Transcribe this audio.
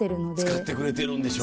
使ってくれてるんでしょ？